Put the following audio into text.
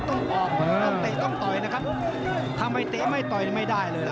ต้องเอาอาวุธต้องออกอยากใต้ต้องตอยถ้าไปไต้ไม่ตอยไม่ได้เลย